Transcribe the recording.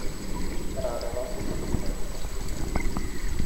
Ráda vám tyto dokumenty poskytnu.